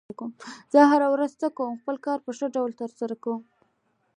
زه هره ورځ هڅه کوم خپل کار په ښه ډول ترسره کړم